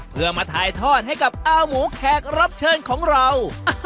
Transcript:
เพื่อมาถ่ายทอดให้กับอาหมูแขกรับเชิญของเรา